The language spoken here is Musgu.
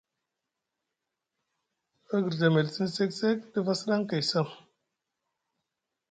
A guirda emel sini sek sek ɗif a sidaŋ kay sam.